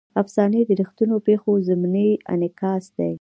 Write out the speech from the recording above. افسانې د ریښتونو پېښو ضمني انعکاس دی.